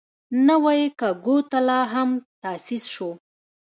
نوی کګوتلا هم تاسیس شو.